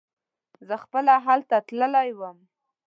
زه خپله هلته تللی وم.